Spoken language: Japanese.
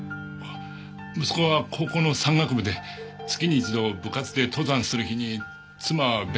息子は高校の山岳部で月に一度部活で登山する日に妻は弁当を作っていたんです。